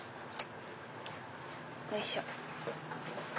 よいしょ。